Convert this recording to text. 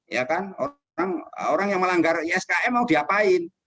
ya kan orang yang melanggar iskm mau diapain